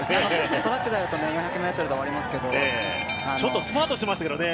トラックになると４００ｍで終わりますけどちょっとスパートしてましたからね。